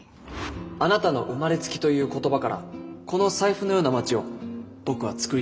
あなたの「生まれつき」という言葉からこの財布のような街を僕は作りたいと思いました。